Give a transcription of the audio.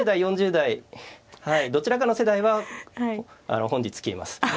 ２０代４０代どちらかの世代は本日消えます。